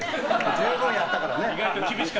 十分やったからね。